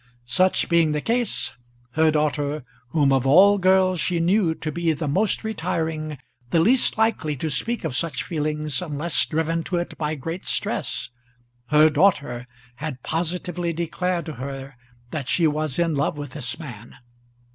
Such being the case, her daughter, whom of all girls she knew to be the most retiring, the least likely to speak of such feelings unless driven to it by great stress, her daughter had positively declared to her that she was in love with this man!